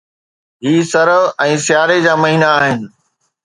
هي سرءُ ۽ سياري جا مهينا آهن.